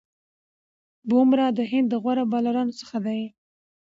بومراه د هند د غوره بالرانو څخه دئ.